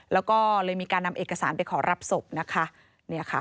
แล้วก็เลยมีการนำเอกสารไปขอรับศพนะคะเนี่ยค่ะ